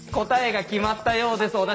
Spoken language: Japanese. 答えが決まったようです。